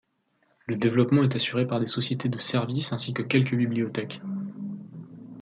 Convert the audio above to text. Le développement est assuré par des sociétés de services ainsi que quelques bibliothèques.